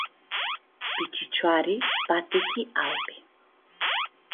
Pi cicioari patichi albi.